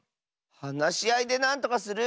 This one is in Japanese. はなしあいでなんとかする！